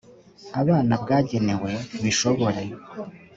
Abana bwagenewe bishobore